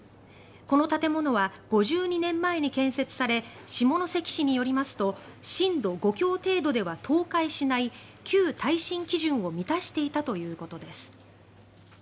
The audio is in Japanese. この建物は５２年前に建設され下関市によりますと震度５強程度では倒壊しない旧耐震基準を満たしていたということです。